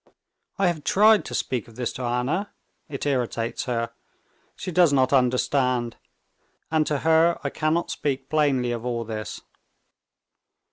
I have tried to speak of this to Anna. It irritates her. She does not understand, and to her I cannot speak plainly of all this.